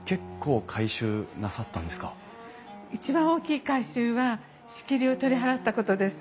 一番大きい改修は仕切りを取り払ったことです。